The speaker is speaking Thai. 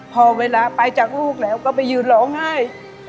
พอเวลาไปจากลูกแล้วก็ไปยืนร้องไห้